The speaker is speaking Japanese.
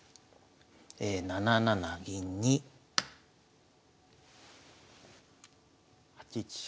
７七銀に８一飛車。